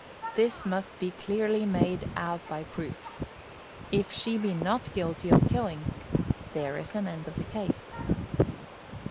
This must be clearly made out by proof. If she be not guilty of killing, there is an end of the case.